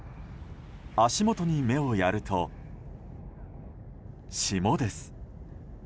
足元に目をやると霜です。